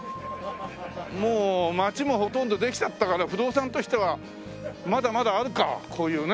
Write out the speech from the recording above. もう町もほとんどできちゃったから不動産としてはまだまだあるかこういうね。